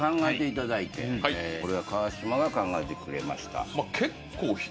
これは川島が考えてくれました。